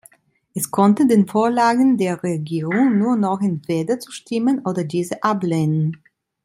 Es konnte den Vorlagen der Regierung nur noch entweder zustimmen oder diese ablehnen.